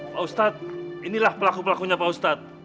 pak ustadz inilah pelaku pelakunya pak ustadz